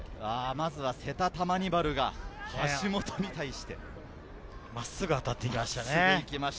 まずはセタ・タマニバルが橋本に対して真っすぐ当たって行きましたね。